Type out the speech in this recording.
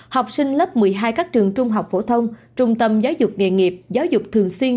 học sinh lớp một mươi hai các trường trung học phổ thông trung tâm giáo dục nghề nghiệp giáo dục thường xuyên